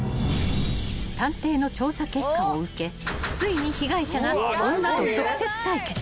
［探偵の調査結果を受けついに被害者が女と直接対決］